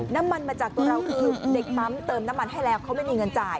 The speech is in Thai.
มาจากตัวเราคือเด็กปั๊มเติมน้ำมันให้แล้วเขาไม่มีเงินจ่าย